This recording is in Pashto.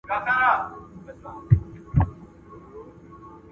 ¬ د بل کټ تر نيمي شپې دئ.